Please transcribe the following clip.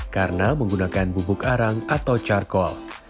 karena menggunakan bubuk arang atau carkol